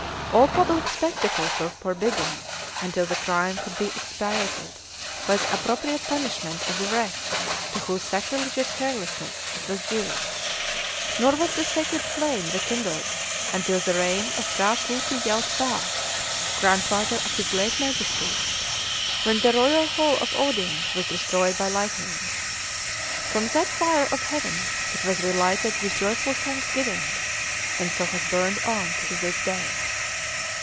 All public spectacles were forbidden until the crime could be expiated by the appropriate punishment of the wretch to whose sacrilegious carelessness it was due; nor was the sacred flame rekindled until the reign of P'hra Pooti Yaut Fa, grandfather of his late Majesty, when the royal Hall of Audience was destroyed by lightning. From that fire of heaven it was relighted with joyful thanksgiving, and so has burned on to this day.